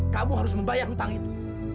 kamu harus membayar hutang itu